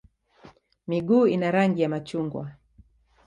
Miguu ina rangi ya machungwa.